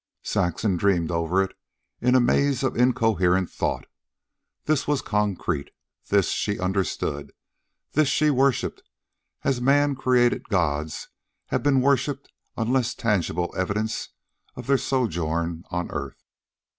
Saxon dreamed over it in a maze of incoherent thought. This was concrete. This she understood. This she worshiped as man created gods have been worshiped on less tangible evidence of their sojourn on earth.